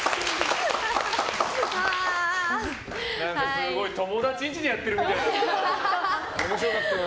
すごい友達んちでやってるみたいだったな。